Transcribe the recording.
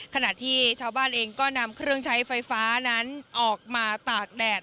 ขณะที่ชาวบ้านเองก็นำเครื่องใช้ไฟฟ้านั้นออกมาตากแดด